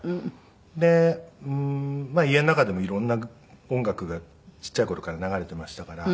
でまあ家の中でも色んな音楽がちっちゃい頃から流れていましたから。